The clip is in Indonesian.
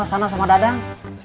jual sana sama dadang